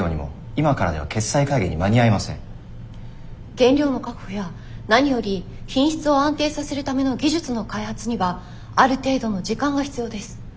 原料の確保や何より品質を安定させるための技術の開発にはある程度の時間が必要です。